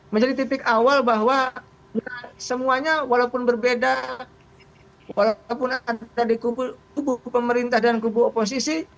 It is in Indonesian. menjadi titik awal bahwa semuanya walaupun berbeda walaupun ada di kubu pemerintah dan kubu oposisi